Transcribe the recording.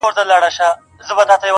ژوند د وېري سيوري للاندي دی,